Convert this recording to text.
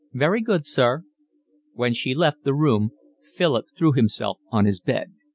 "Very good, sir." When she left the room Philip threw himself on his bed.